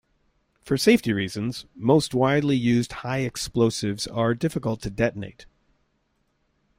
For safety reasons, most widely used high explosives are difficult to detonate.